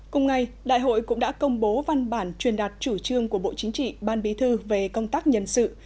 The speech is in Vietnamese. cùng ngày đại hội cũng đã công bố văn bản truyền đạt chủ trương của bộ chính trị ban bí thư về công tác nhân sự